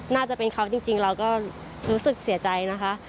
น่าจะเป็นเขาจริงเราก็รู้สึกเสียใจนะคะ